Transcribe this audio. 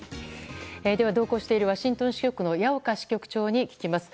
同行しているワシントン支局の矢岡支局長に聞きます。